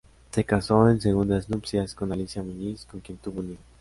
Se casó en segundas nupcias con Alicia Muñiz con quien tuvo un hijo.